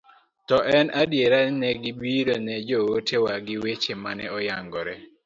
to en adiera ni negibiro ni joote wa gi weche mane oyangre